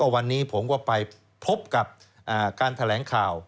วันนี้ผมก็ไปพบกับการแถลงข่าว